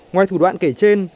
ngoài thủ đoạn kể trên